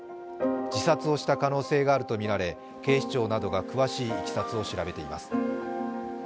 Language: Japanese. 自殺をした可能性があるとみられ警視庁などが詳しいいきさつを調べています。